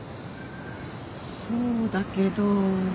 そうだけど。